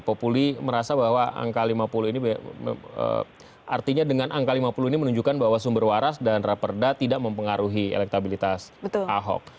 populi merasa bahwa angka lima puluh ini artinya dengan angka lima puluh ini menunjukkan bahwa sumber waras dan raperda tidak mempengaruhi elektabilitas ahok